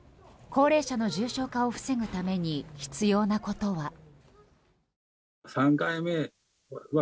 高齢者の重症化を防ぐために必要なことは。